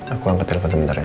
aku angkat telepon sebentar ya